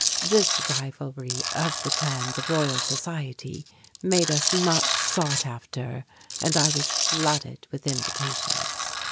This rivalry of the clans of Royal Society made us much sought after and I was flooded with invitations.